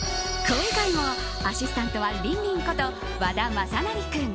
今回もアシスタントはりんりんこと和田雅成君。